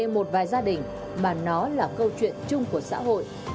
một vài gia đình mà nó là câu chuyện chung của xã hội